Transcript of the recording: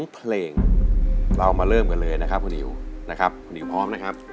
เพลงเรามาเริ่มกันเลยนะครับคุณนิวนะครับคุณนิวพร้อมนะครับ